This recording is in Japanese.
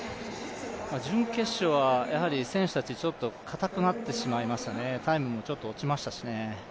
準決勝はやはり選手たち、ちょっとかたくなってしまいましたね、タイムもちょっと落ちましたしね。